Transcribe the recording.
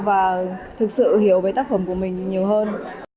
và thực sự hiểu về tác phẩm của mình nhiều hơn